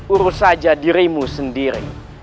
urus saja dirimu sendiri